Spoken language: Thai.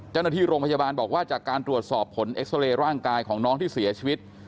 เจ้าหน้าที่โรงพยาบาลบอกว่าจากการตรวจสอบผลเอ็กซาเรย์ร่างกายของน้องที่เสียชีวิต